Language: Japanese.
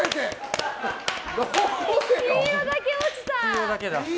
黄色だけ落ちた！